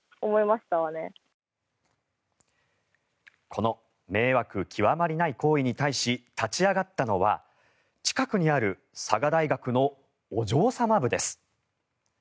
この迷惑極まりない行為に対し立ち上がったのは、近くにある佐賀大学のお嬢様部です。